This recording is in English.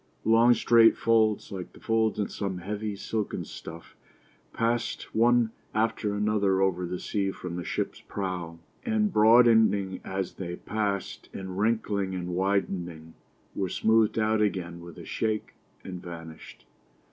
Long, straight folds, like the folds in some heavy silken stuff, passed one after another over the sea from the ship's prow, and broadening as they passed, and wrinkling and widening, were smoothed out again with a shake, and vanished.